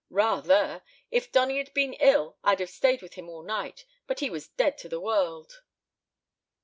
"Rather. If Donny'd been ill I'd have stayed with him all night, but he was dead to the world."